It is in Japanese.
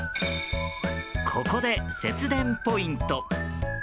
ここで節電ポイント。